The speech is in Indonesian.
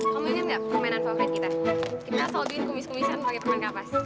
kamu inget gak permainan favorit kita kita selalu bikin kumis kumisan pakai permain kapas